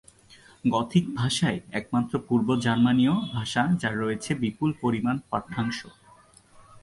Gothic ভাষাই একমাত্র পূর্ব জার্মানীয় ভাষা যার রয়েছে বিপুল পরিমাণ পাঠ্যাংশ।